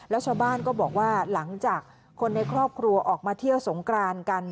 แล้วชาวบ้านก็บอกว่าหลังจากคนในครอบครัวออกมาเที่ยวสงกรานกัน